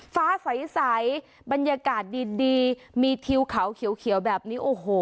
ฟ้าใสบรรยากาศดีมีทิวเขาเขียวแบบนี้โอ้โห